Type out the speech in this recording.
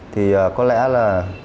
thì có lẽ là